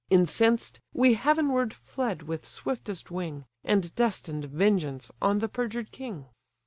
Incensed, we heavenward fled with swiftest wing, And destined vengeance on the perjured king.